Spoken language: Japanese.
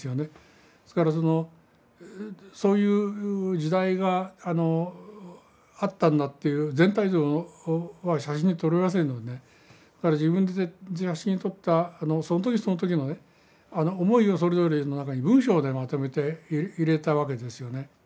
ですからそのそういう時代があったんだという全体像は写真に撮れませんのでだから自分で写真を撮ったその時その時の思いをそれぞれの中に文章でまとめて入れたわけですよね。